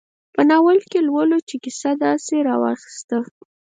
په ناول کې لولو چې کیسه داسې راواخیسته.